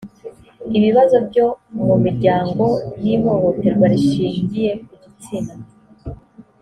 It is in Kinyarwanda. ibibazo byo mu miryango n’ ihohoterwa rishingiye ku gitsina